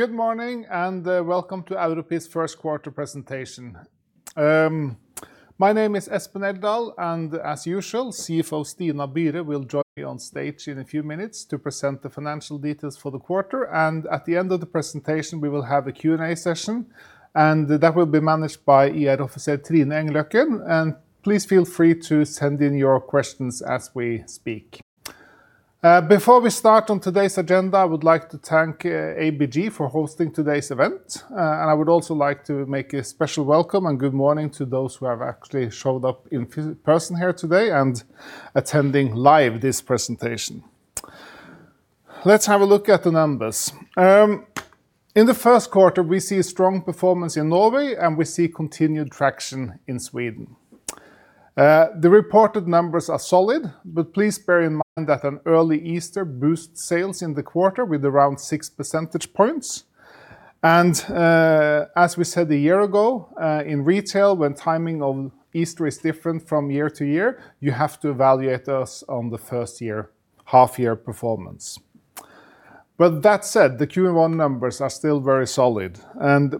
Good morning, and welcome to Europris First Quarter Presentation. My name is Espen Eldal, and as usual, CFO Stina Byre will join me on stage in a few minutes to present the financial details for the quarter. At the end of the presentation, we will have a Q&A session, and that will be managed by IR officer Trine Engløkken. Please feel free to send in your questions as we speak. Before we start on today's agenda, I would like to thank ABG for hosting today's event. I would also like to make a special welcome and good morning to those who have actually showed up in person here today and attending live this presentation. Let's have a look at the numbers. In the first quarter, we see strong performance in Norway, and we see continued traction in Sweden. The reported numbers are solid, but please bear in mind that an early Easter boosts sales in the quarter with around 6 percentage points. As we said a year ago, in retail, when timing of Easter is different from year-to-year, you have to evaluate us on the first year, half-year performance. That said, the Q1 numbers are still very solid.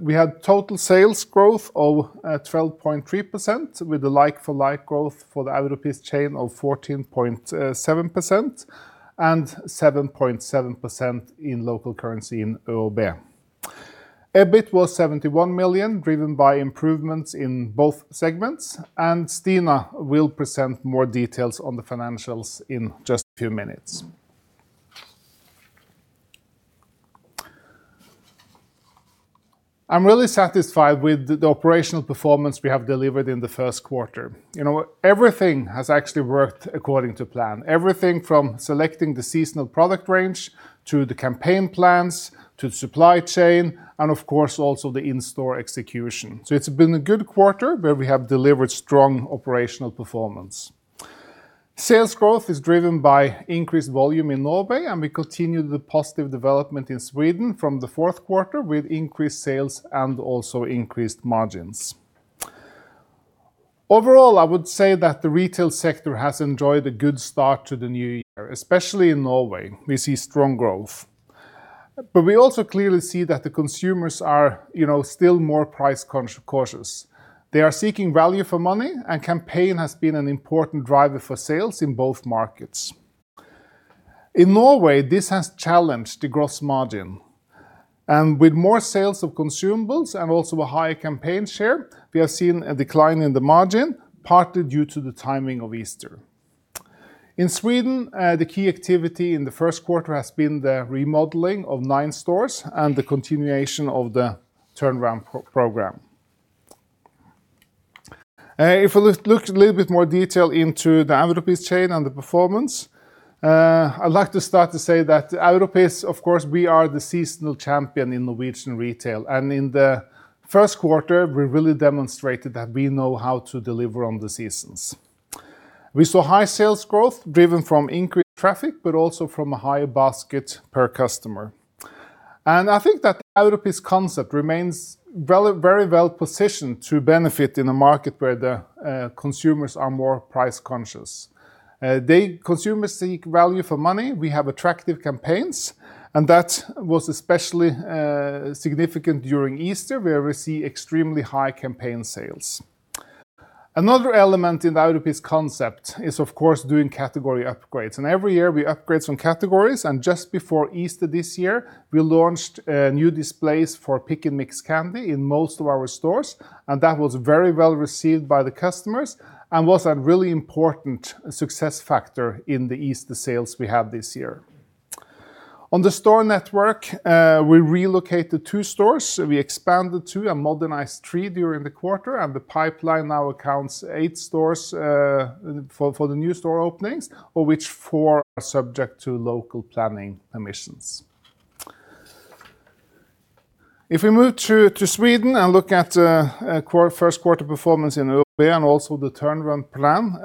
We had total sales growth of 12.3% with the like-for-like growth for the Europris chain of 14.7% and 7.7% in local currency in ÖoB. EBIT was 71 million, driven by improvements in both segments, and Stina will present more details on the financials in just a few minutes. I'm really satisfied with the operational performance we have delivered in the first quarter. Everything has actually worked according to plan. Everything from selecting the seasonal product range to the campaign plans to the supply chain and of course, also the in-store execution. It's been a good quarter where we have delivered strong operational performance. Sales growth is driven by increased volume in Norway, and we continue the positive development in Sweden from the fourth quarter with increased sales and also increased margins. Overall, I would say that the retail sector has enjoyed a good start to the new year, especially in Norway. We see strong growth. We also clearly see that the consumers are still more price-cautious. They are seeking value for money, and campaign has been an important driver for sales in both markets. In Norway, this has challenged the gross margin. With more sales of consumables and also a higher campaign share, we have seen a decline in the margin, partly due to the timing of Easter. In Sweden, the key activity in the first quarter has been the remodeling of nine stores and the continuation of the turnaround program. If we look in a little bit more detail into the Europris chain and the performance, I'd like to start by saying that Europris, of course, we are the seasonal champion in Norwegian retail. In the first quarter, we really demonstrated that we know how to deliver on the seasons. We saw high sales growth driven by increased traffic, but also by a higher basket per customer. I think that Europris' concept remains very well-positioned to benefit in a market where the consumers are more price-conscious. Consumers seek value for money. We have attractive campaigns, and that was especially significant during Easter, where we see extremely high campaign sales. Another element in the Europris concept is, of course, doing category upgrades. Every year we upgrade some categories, and just before Easter this year, we launched new displays for pick and mix candy in most of our stores, and that was very well-received by the customers and was a really important success factor in the Easter sales we had this year. On the store network, we relocated two stores, we expanded two and modernized three during the quarter, and the pipeline now accounts for eight stores for the new store openings, of which four are subject to local planning permissions. If we move to Sweden and look at first quarter performance in ÖoB and also the turnaround plan,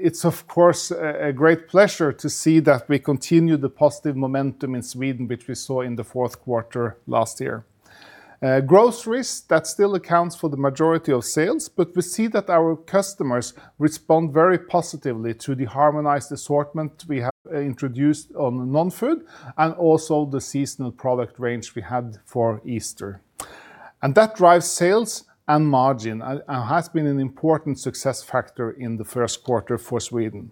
it's of course a great pleasure to see that we continue the positive momentum in Sweden, which we saw in the fourth quarter last year. Groceries, that still accounts for the majority of sales, but we see that our customers respond very positively to the harmonized assortment we have introduced on non-food and also the seasonal product range we had for Easter. That drives sales and margin and has been an important success factor in the first quarter for Sweden.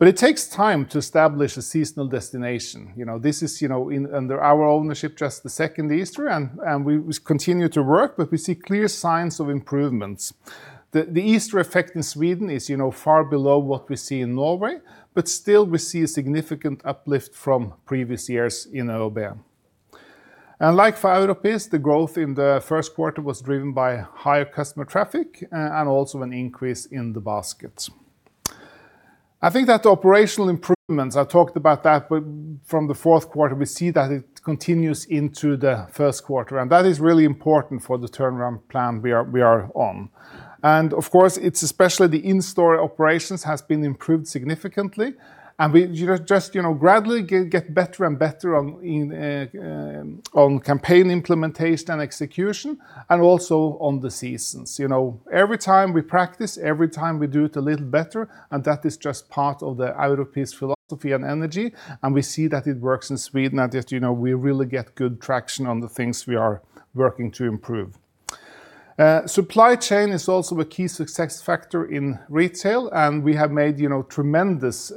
It takes time to establish a seasonal destination. This is, under our ownership, just the second Easter, and we continue to work, but we see clear signs of improvements. The Easter effect in Sweden is far below what we see in Norway, but still we see a significant uplift from previous years in ÖoB. Like for Europris, the growth in the first quarter was driven by higher customer traffic and also an increase in the basket. I think that the operational improvements, I talked about that from the fourth quarter, we see that it continues into the first quarter, and that is really important for the turnaround plan we are on. Of course, it's especially the in-store operations has been improved significantly. We just gradually get better and better on campaign implementation and execution, and also on the seasons. Every time we practice, every time we do it a little better, and that is just part of the Europris philosophy and energy, and we see that it works in Sweden, and just we really get good traction on the things we are working to improve. Supply chain is also a key success factor in retail, and we have made tremendous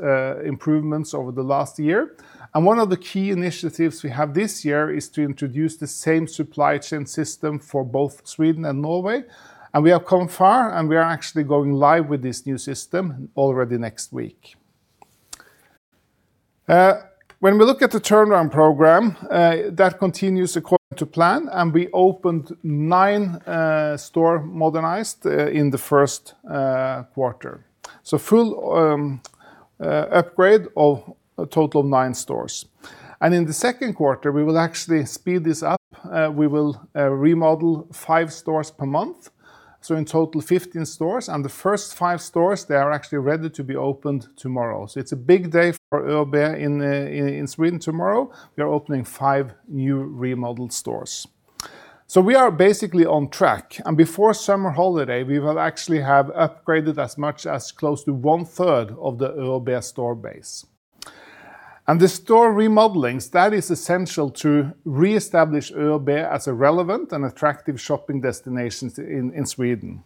improvements over the last year. One of the key initiatives we have this year is to introduce the same supply chain system for both Sweden and Norway. We have come far, and we are actually going live with this new system already next week. When we look at the turnaround program, that continues according to plan, and we opened nine stores modernized in the first quarter. Full upgrade of a total of nine stores. In the second quarter, we will actually speed this up. We will remodel five stores per month, so in total, 15 stores, and the first five stores, they are actually ready to be opened tomorrow. It's a big day for ÖoB in Sweden tomorrow. We are opening five new remodeled stores. We are basically on track. Before summer holiday, we will actually have upgraded as much as close to one third of the ÖoB store base. The store remodeling, that is essential to reestablish ÖoB as a relevant and attractive shopping destination in Sweden.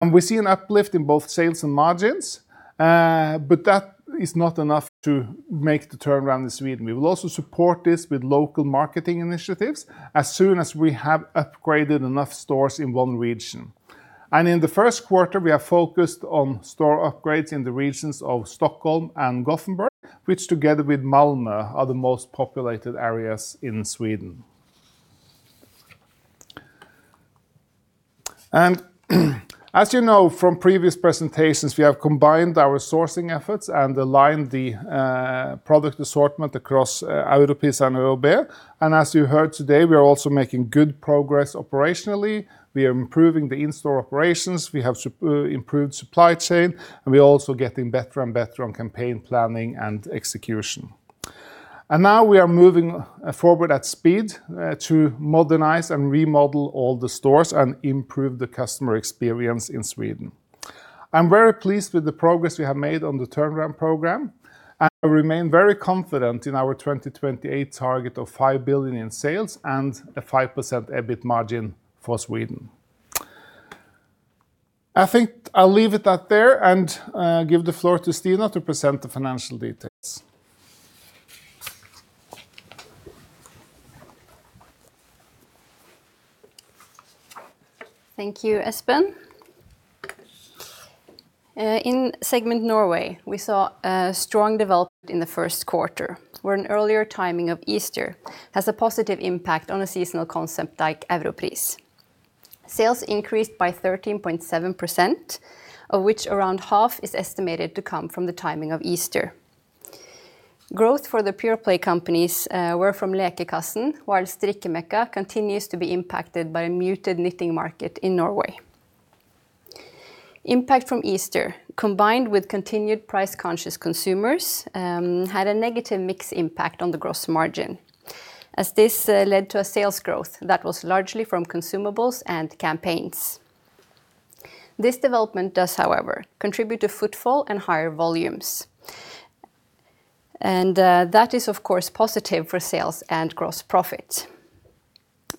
We see an uplift in both sales and margins, but that is not enough to make the turnaround in Sweden. We will also support this with local marketing initiatives as soon as we have upgraded enough stores in one region. In the first quarter, we are focused on store upgrades in the regions of Stockholm and Gothenburg, which together with Malmö, are the most populated areas in Sweden. As you know from previous presentations, we have combined our sourcing efforts and aligned the product assortment across Europris and ÖoB. As you heard today, we are also making good progress operationally. We are improving the in-store operations. We have improved supply chain, and we're also getting better and better on campaign planning and execution. Now we are moving forward at speed to modernize and remodel all the stores and improve the customer experience in Sweden. I'm very pleased with the progress we have made on the turnaround program, and I remain very confident in our 2028 target of 5 billion in sales and a 5% EBIT margin for Sweden. I think I'll leave it there and give the floor to Stina to present the financial details. Thank you, Espen. In segment Norway, we saw a strong development in the first quarter, where an earlier timing of Easter has a positive impact on a seasonal concept like Europris. Sales increased by 13.7%, of which around half is estimated to come from the timing of Easter. Growth for the pure play companies were from Lekekassen, while Strikkemekka continues to be impacted by a muted knitting market in Norway. Impact from Easter, combined with continued price-conscious consumers, had a negative mix impact on the gross margin as this led to a sales growth that was largely from consumables and campaigns. This development does, however, contribute to footfall and higher volumes, and that is, of course, positive for sales and gross profit.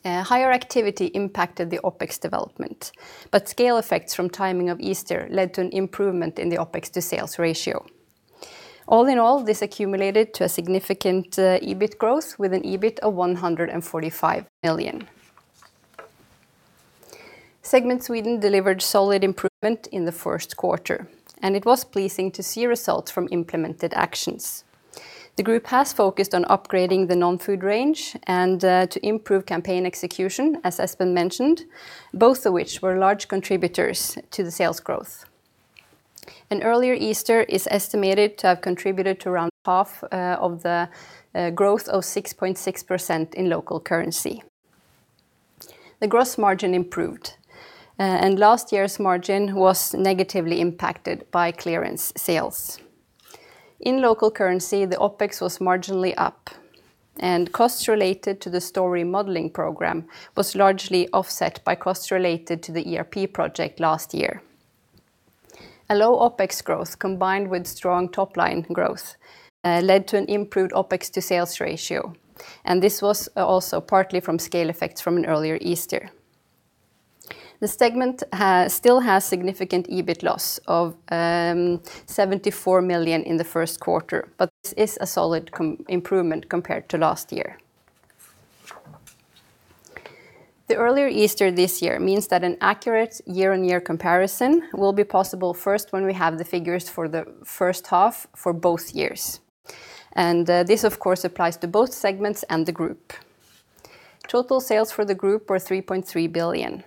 Higher activity impacted the OpEx development, but scale effects from timing of Easter led to an improvement in the OpEx to sales ratio. All in all, this accumulated to a significant EBIT growth with an EBIT of 145 million. Sweden segment delivered solid improvement in the first quarter, and it was pleasing to see results from implemented actions. The group has focused on upgrading the non-food range and to improve campaign execution, as Espen mentioned, both of which were large contributors to the sales growth. An earlier Easter is estimated to have contributed to around half of the growth of 6.6% in local currency. The gross margin improved, and last year's margin was negatively impacted by clearance sales. In local currency, the OpEx was marginally up, and costs related to the store remodeling program were largely offset by costs related to the ERP project last year. A low OpEx growth, combined with strong top-line growth, led to an improved OpEx to sales ratio, and this was also partly from scale effects from an earlier Easter. The segment still has significant EBIT loss of 74 million in the first quarter, but this is a solid improvement compared to last year. The earlier Easter this year means that an accurate year-on-year comparison will be possible first when we have the figures for the first half for both years. This, of course, applies to both segments and the group. Total sales for the group were 3.3 billion,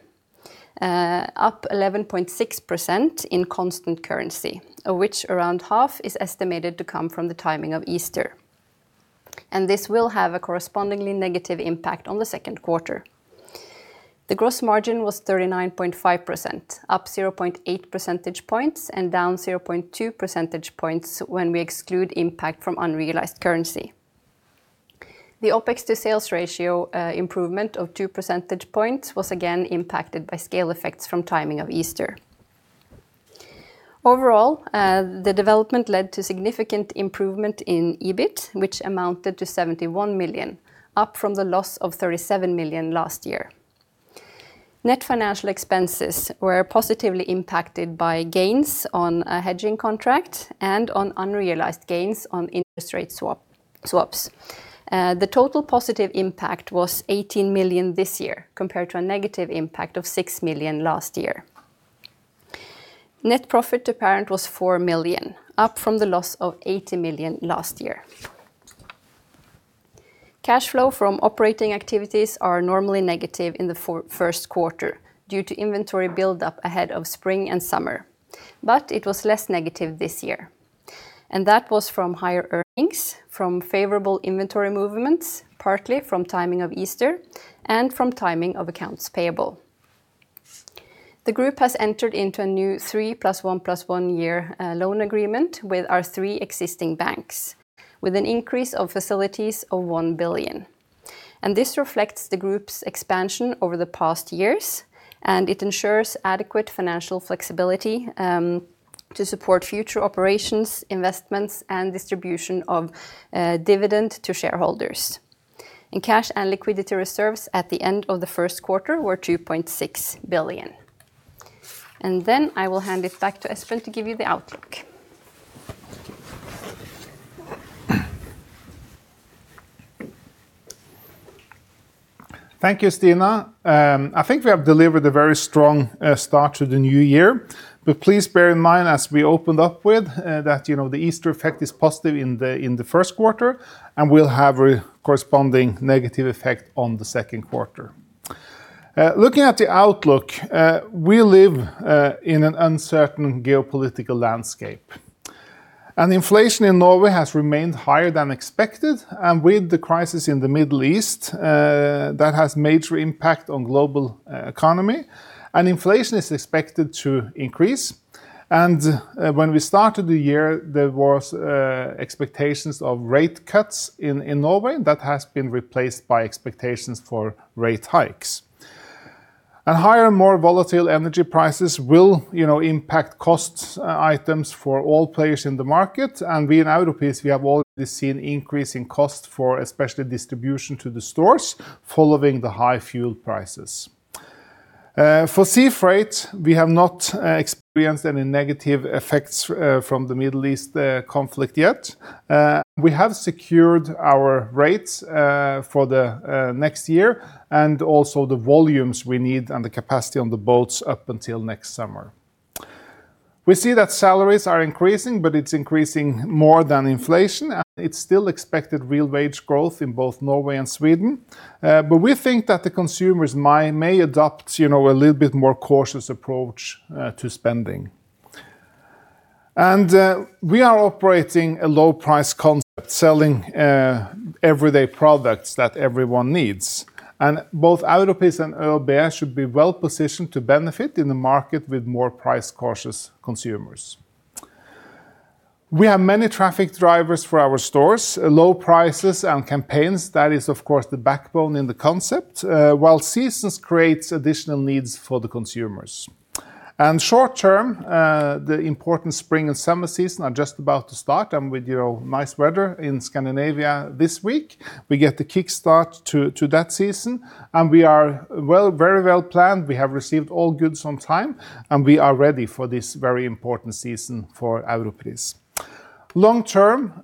up 11.6% in constant currency, of which around half is estimated to come from the timing of Easter. This will have a correspondingly negative impact on the second quarter. The gross margin was 39.5%, up 0.8 percentage points and down 0.2 percentage points when we exclude impact from unrealized currency. The OpEx to sales ratio improvement of 2 percentage points was again impacted by scale effects from timing of Easter. Overall, the development led to significant improvement in EBIT, which amounted to 71 million, up from the loss of 37 million last year. Net financial expenses were positively impacted by gains on a hedging contract and on unrealized gains on interest rate swaps. The total positive impact was 18 million this year, compared to a negative impact of 6 million last year. Net profit to parent was 4 million, up from the loss of 80 million last year. Cash flow from operating activities are normally negative in the first quarter due to inventory build-up ahead of spring and summer, but it was less negative this year, and that was from higher earnings from favorable inventory movements, partly from timing of Easter, and from timing of accounts payable. The group has entered into a new 3+1+1 year loan agreement with our three existing banks, with an increase of facilities of 1 billion. This reflects the group's expansion over the past years, and it ensures adequate financial flexibility to support future operations, investments, and distribution of dividend to shareholders. Cash and liquidity reserves at the end of the first quarter were 2.6 billion. I will hand it back to Espen to give you the outlook. Thank you, Stina. I think we have delivered a very strong start to the new year, but please bear in mind, as we opened up with, that the Easter effect is positive in the first quarter, and we'll have a corresponding negative effect on the second quarter. Looking at the outlook, we live in an uncertain geopolitical landscape, and inflation in Norway has remained higher than expected. With the crisis in the Middle East, that has major impact on global economy, and inflation is expected to increase. When we started the year, there was expectations of rate cuts in Norway. That has been replaced by expectations for rate hikes. Higher, more volatile energy prices will impact cost items for all players in the market. We in Europris, we have already seen increase in cost for especially distribution to the stores following the high fuel prices. For sea freight, we have not experienced any negative effects from the Middle East conflict yet. We have secured our rates for the next year and also the volumes we need and the capacity on the boats up until next summer. We see that salaries are increasing, but it's increasing more than inflation. It's still expected real wage growth in both Norway and Sweden. We think that the consumers may adopt a little bit more cautious approach to spending. We are operating a low price concept, selling everyday products that everyone needs, and both Europris and ÖoB should be well positioned to benefit in the market with more price-cautious consumers. We have many traffic drivers for our stores. Low prices and campaigns, that is, of course, the backbone in the concept. While seasons creates additional needs for the consumers. Short term, the important spring and summer season are just about to start, and with nice weather in Scandinavia this week, we get the kickstart to that season, and we are very well planned. We have received all goods on time, and we are ready for this very important season for Europris. Long term,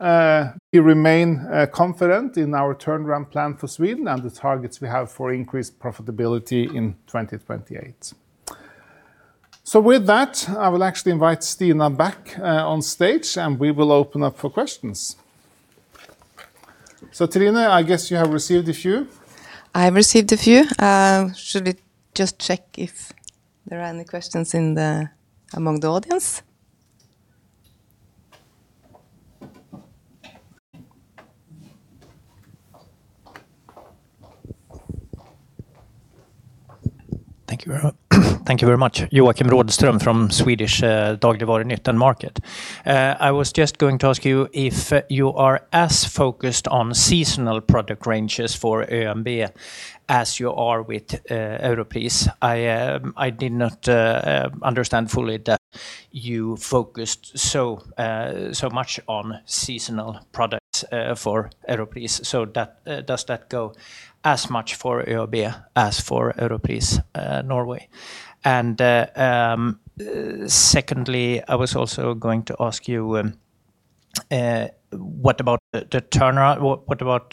we remain confident in our turnaround plan for Sweden and the targets we have for increased profitability in 2028. With that, I will actually invite Stina back on stage, and we will open up for questions. Trine, I guess you have received a few. I have received a few. Should we just check if there are any questions among the audience? Thank you very much. Joakim Nordström from Swedish Dagligvarunytt och Market. I was just going to ask you if you are as focused on seasonal product ranges for ÖoB as you are with Europris. I did not understand fully that you focused so much on seasonal products for Europris. Does that go as much for ÖoB as for Europris Norway? Secondly, I was also going to ask you, what about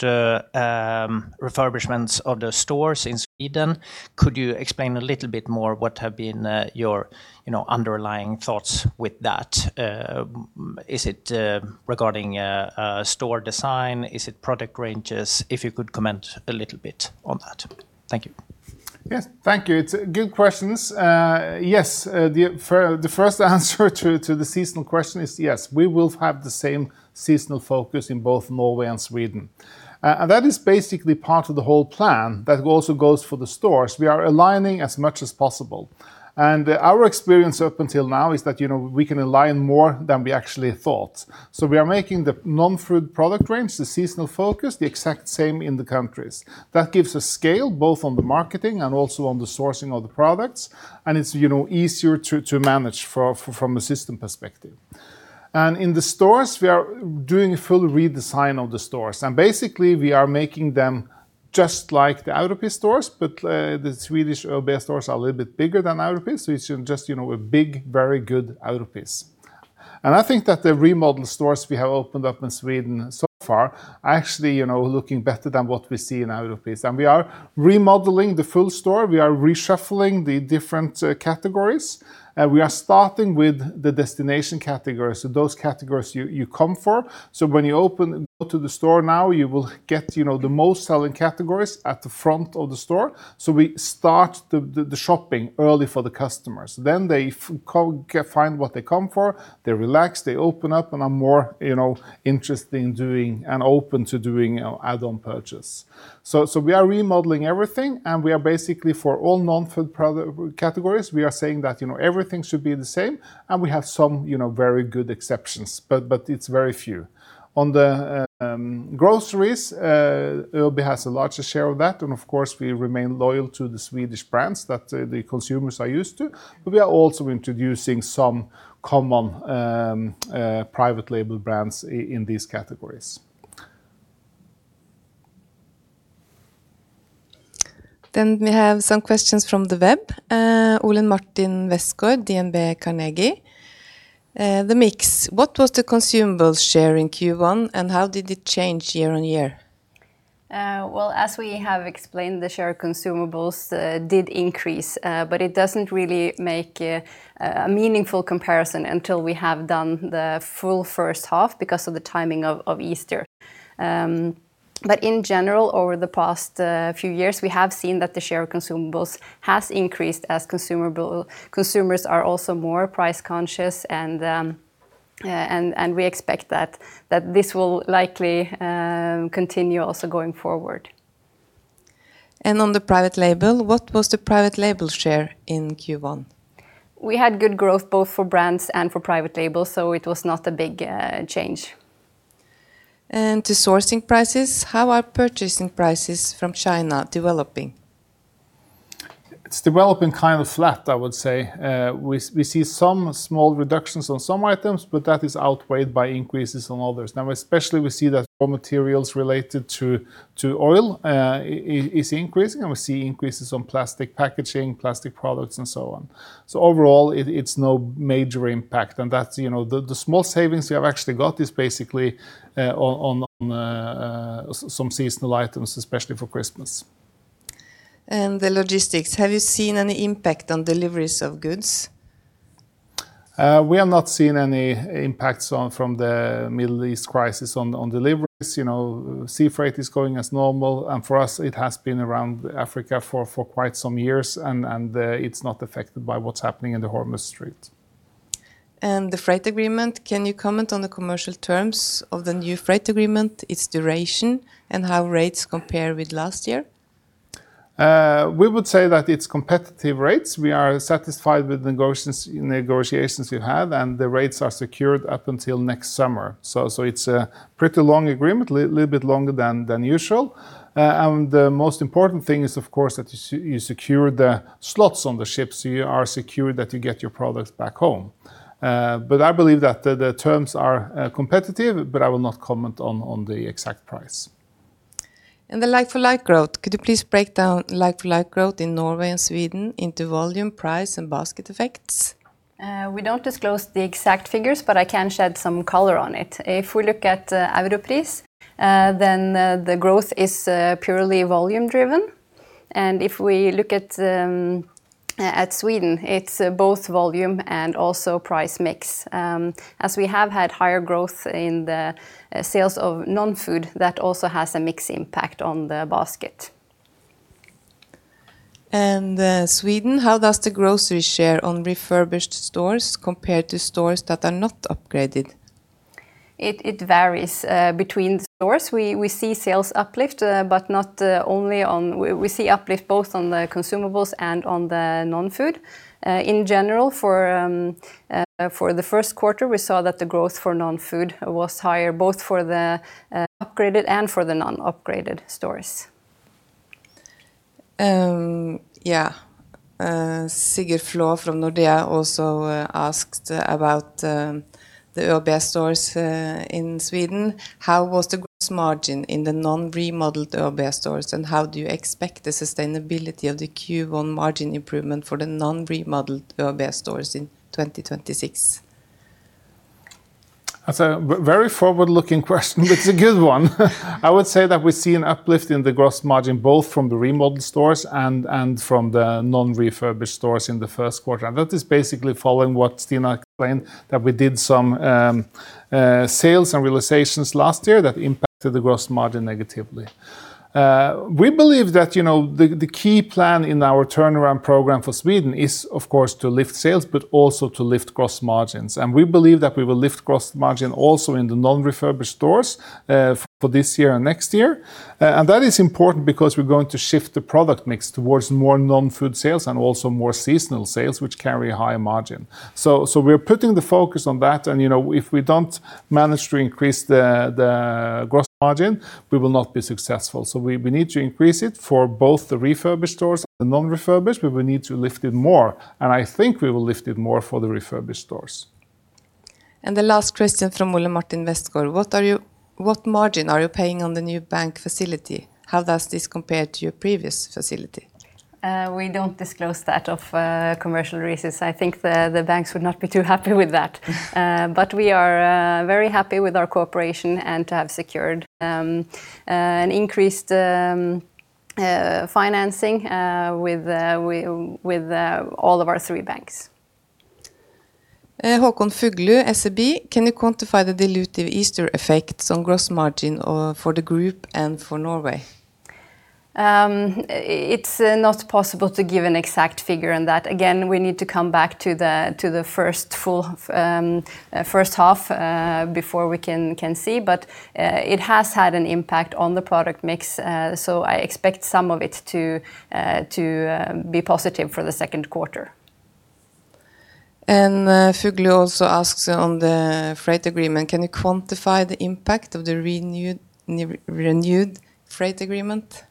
refurbishments of the stores in Sweden? Could you explain a little bit more what have been your underlying thoughts with that? Is it regarding store design? Is it product ranges? If you could comment a little bit on that? Thank you. Yes. Thank you. It's good questions. Yes. The first answer to the seasonal question is yes, we will have the same seasonal focus in both Norway and Sweden. That is basically part of the whole plan that also goes for the stores. We are aligning as much as possible, and our experience up until now is that we can align more than we actually thought. So we are making the non-food product range, the seasonal focus, the exact same in the countries. That gives a scale both on the marketing and also on the sourcing of the products, and it's easier to manage from a system perspective. In the stores, we are doing a full redesign of the stores, and basically we are making them just like the Europris stores, but the Swedish ÖoB stores are a little bit bigger than Europris. So it's just a big, very good Europris. I think that the remodeled stores we have opened up in Sweden so far are actually looking better than what we see in Europris. We are remodeling the full store. We are reshuffling the different categories, and we are starting with the destination categories. Those categories you come for. When you go to the store now, you will get the most selling categories at the front of the store. We start the shopping early for the customers. They find what they come for, they relax, they open up and are more interested in doing, and open to doing add-on purchase. We are remodeling everything, and we are basically for all non-food product categories, we are saying that everything should be the same, and we have some very good exceptions. It's very few. On the groceries, ÖoB has a larger share of that, and of course we remain loyal to the Swedish brands that the consumers are used to. We are also introducing some common private label brands in these categories. We have some questions from the web. Ole Martin Westgaard, DNB Carnegie. The mix, what was the consumable share in Q1, and how did it change year-on-year? Well, as we have explained, the share of consumables did increase, but it doesn't really make a meaningful comparison until we have done the full first half because of the timing of Easter. In general, over the past few years, we have seen that the share of consumables has increased as consumers are also more price conscious and we expect that this will likely continue also going forward. On the private label, what was the private label share in Q1? We had good growth both for brands and for private labels, so it was not a big change. As to sourcing prices, how are purchasing prices from China developing? It's developing kind of flat, I would say. We see some small reductions on some items, but that is outweighed by increases on others. Now, especially we see that raw materials related to oil is increasing, and we see increases on plastic packaging, plastic products and so on. Overall, it's no major impact, and the small savings we have actually got is basically on some seasonal items, especially for Christmas. The logistics, have you seen any impact on deliveries of goods? We have not seen any impacts from the Middle East crisis on deliveries. Sea freight is going as normal, and for us it has been around Africa for quite some years, and it's not affected by what's happening in the Strait of Hormuz. The freight agreement. Can you comment on the commercial terms of the new freight agreement, its duration, and how rates compare with last year? We would say that it's competitive rates. We are satisfied with the negotiations we have, and the rates are secured up until next summer. It's a pretty long agreement, a little bit longer than usual. The most important thing is, of course, that you secure the slots on the ships, so you are secured that you get your products back home. I believe that the terms are competitive, but I will not comment on the exact price. The like-for-like growth. Could you please break down like-for-like growth in Norway and Sweden into volume, price, and basket effects? We don't disclose the exact figures, but I can shed some color on it. If we look at Europris, then the growth is purely volume driven. If we look at Sweden, it's both volume and also price mix. As we have had higher growth in the sales of non-food, that also has a mix impact on the basket. Sweden, how does the grocery share on refurbished stores compare to stores that are not upgraded? It varies between stores. We see sales uplift, but we see uplift both on the consumables and on the non-food. In general, for the first quarter, we saw that the growth for non-food was higher, both for the upgraded and for the non-upgraded stores. Yeah. Sigurd Flaa from Nordea also asked about the ÖoB stores in Sweden. How was the gross margin in the non-remodeled ÖoB stores, and how do you expect the sustainability of the Q1 margin improvement for the non-remodeled ÖoB stores in 2026? That's a very forward-looking question. It's a good one. I would say that we see an uplift in the gross margin, both from the remodeled stores and from the non-refurbished stores in the first quarter. That is basically following what Stina explained, that we did some sales and realizations last year that impacted the gross margin negatively. We believe that the key plan in our turnaround program for Sweden is of course to lift sales, but also to lift gross margins. We believe that we will lift gross margin also in the non-refurbished stores for this year and next year. That is important because we're going to shift the product mix towards more non-food sales and also more seasonal sales, which carry a higher margin. We're putting the focus on that, and if we don't manage to increase the gross margin, we will not be successful. We need to increase it for both the refurbished stores and the non-refurbished, but we need to lift it more, and I think we will lift it more for the refurbished stores. The last question from Ole Martin Westgaard. What margin are you paying on the new bank facility? How does this compare to your previous facility? We don't disclose that for commercial reasons. I think the banks would not be too happy with that. We are very happy with our cooperation and to have secured an increased financing with all of our three banks. Håkon Fuglu, SEB. Can you quantify the dilutive Easter effects on gross margin for the group and for Norway? It's not possible to give an exact figure on that. Again, we need to come back to the first half before we can see. It has had an impact on the product mix, so I expect some of it to be positive for the second quarter. Fuglu also asks on the freight agreement. Can you quantify the impact of the renewed freight agreement?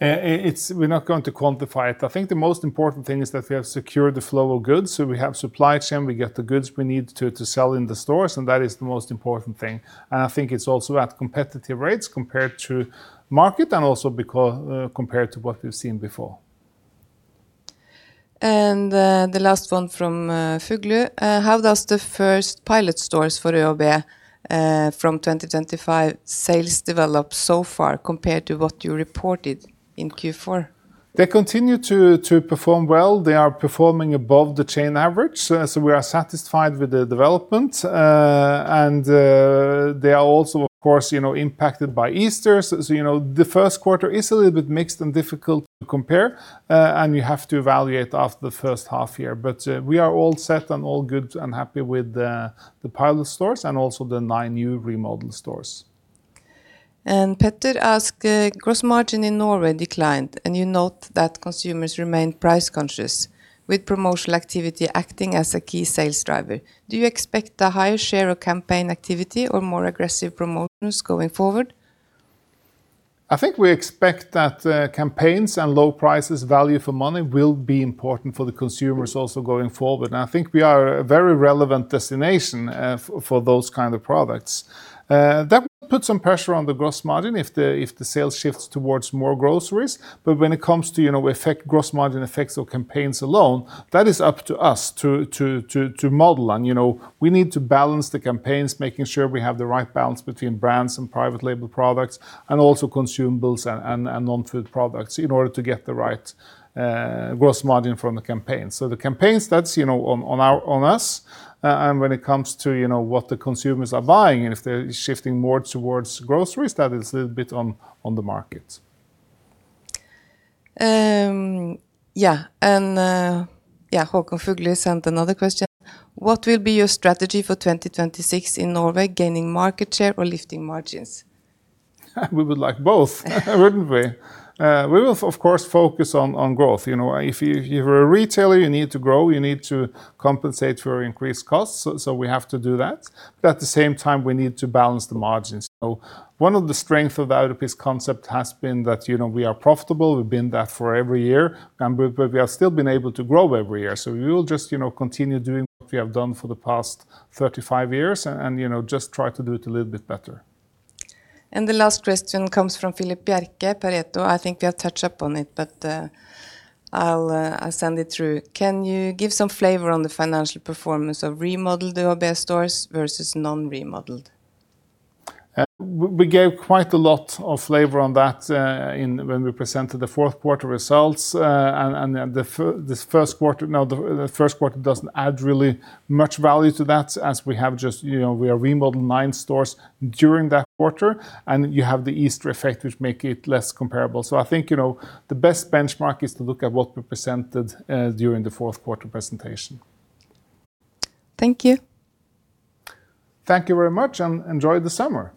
We're not going to quantify it. I think the most important thing is that we have secured the flow of goods, so we have supply chain, we get the goods we need to sell in the stores, and that is the most important thing. I think it's also at competitive rates compared to market and also compared to what we've seen before. The last one from Fuglu. How do the first pilot stores for ÖoB from 2025 sales develop so far compared to what you reported in Q4? They continue to perform well. They are performing above the chain average. We are satisfied with the development. They are also, of course, impacted by Easter. The first quarter is a little bit mixed and difficult to compare, and we have to evaluate after the first half year. We are all set and all good and happy with the pilot stores and also the nine new remodeled stores. [Petter] asks, gross margin in Norway declined, and you note that consumers remain price conscious with promotional activity acting as a key sales driver. Do you expect a higher share of campaign activity or more aggressive promotions going forward? I think we expect that campaigns and low prices value for money will be important for the consumers also going forward. I think we are a very relevant destination for those kind of products. That will put some pressure on the gross margin if the sales shifts towards more groceries. When it comes to gross margin effects or campaigns alone, that is up to us to model on. We need to balance the campaigns, making sure we have the right balance between brands and private label products, and also consumables and non-food products in order to get the right gross margin from the campaign. The campaigns that's on us. When it comes to what the consumers are buying and if they're shifting more towards groceries, that is a little bit on the market. Yeah. Yeah, Håkon Fuglu sent another question. What will be your strategy for 2026 in Norway? Gaining market share or lifting margins? We would like both, wouldn't we? We will of course focus on growth. If you're a retailer, you need to grow, you need to compensate for increased costs. We have to do that. At the same time, we need to balance the margins. One of the strength of Europris concept has been that we are profitable. We've been that for every year, but we have still been able to grow every year. We will just continue doing what we have done for the past 35 years and just try to do it a little bit better. The last question comes from Phillihp Bjerke, Pareto. I think we have touched upon it, but I'll send it through. Can you give some flavor on the financial performance of remodeled ÖoB stores versus non-remodeled? We gave quite a lot of flavor on that when we presented the fourth quarter results. The first quarter doesn't add really much value to that as we are remodeling nine stores during that quarter, and you have the Easter effect, which make it less comparable. I think, the best benchmark is to look at what we presented during the fourth quarter presentation. Thank you. Thank you very much, and enjoy the summer.